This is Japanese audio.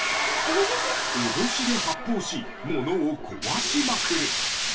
脅しで発砲し物を壊しまくる！